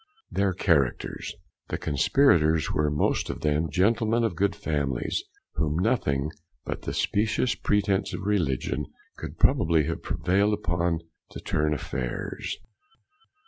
THEIR CHARACTERS. The Conspirators were most of them gentlemen of good families, whom nothing but the specious pretence of religion could probably have prevailed upon to turn affairs.